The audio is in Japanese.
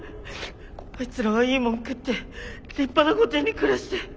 あいつらはいいもん食って立派な御殿に暮らして！